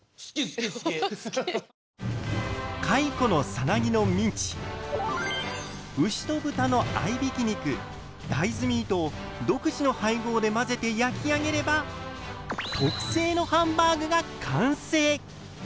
かいこのサナギのミンチ牛と豚のあいびき肉大豆ミートを独自の配合で混ぜて焼き上げれば特製のハンバーグが完成！